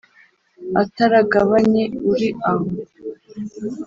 ataragabanye uri aho!